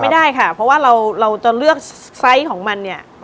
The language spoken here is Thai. ไม่ได้ค่ะเพราะว่าเราจะเลือกไซส์ของมันเนี่ย